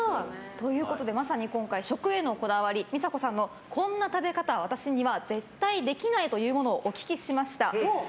まさに今回、食へのこだわり美佐子さんのこんな食べ方私には絶対できないというものお聞きしました。